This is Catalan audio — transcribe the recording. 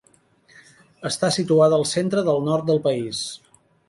Està situada al centre del nord del país.